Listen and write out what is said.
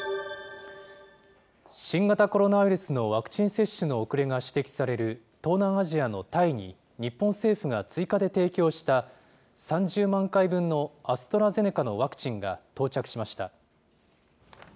新型コロナウイルスのワクチン接種の遅れが指摘される東南アジアのタイに、日本政府が追加で提供した、３０万回分のアストラゼネカのワクチンが到着しました。